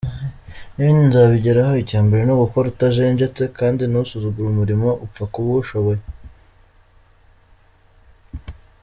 Nibindi nzabigeraho icya mbere ni ugukora utajenjetse kandi ntusuzugure umurimo upfa kuba uwushoboye.